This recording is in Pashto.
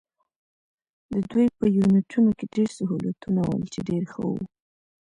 د دوی په یونیټونو کې ډېر سهولتونه ول، چې ډېر ښه وو.